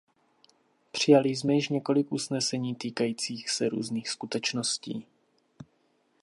Přijali jsme již několik usnesení týkajících se různých skutečností.